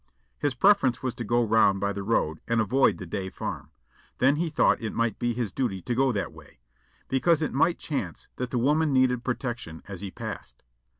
His preference was to go round by the road and avoid the Day farm; then he thought it might be his duty to go that way, because it might chance that the woman needed protection as he passed.